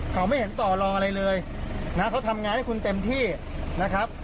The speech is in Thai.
เขาไม่เห็นต่อรองอะไรเลยนะเขาทำงานให้คุณเต็มที่นะครับ